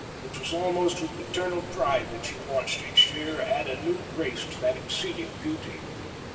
It was almost with maternal pride that she watched each year add a new grace to that exceeding beauty.